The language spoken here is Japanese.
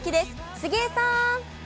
杉江さん。